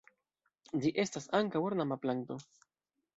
Ĝi estas ankaŭ ornama planto.